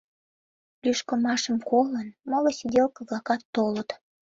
Лӱшкымашым колын, моло сиделке-влакат толыт.